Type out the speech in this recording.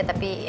tapi ya dia itu